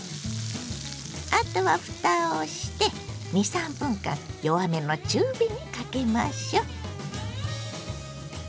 あとはふたをして２３分間弱めの中火にかけましょう。